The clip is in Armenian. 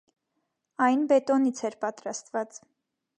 Այն բետոնից էր պատրաստված։